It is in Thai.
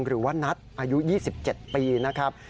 หรือว่านัทอายุ๒๗ปีนะครับ